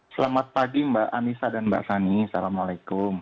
selamat pagi mbak anissa dan mbak sani assalamualaikum